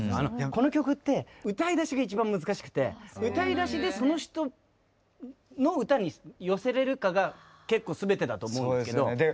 この曲って歌いだしが一番難しくて歌いだしでその人の歌に寄せれるかが結構すべてだと思うんですけど。